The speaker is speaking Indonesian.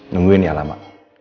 nungguin ya lama